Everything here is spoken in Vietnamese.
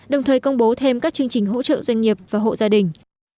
đồng thời công bố thêm các chương trình hỗ trợ doanh nghiệp và hộ gia đình